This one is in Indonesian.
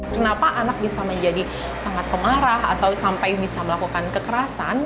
kenapa anak bisa menjadi sangat kemarah atau sampai bisa melakukan kekerasan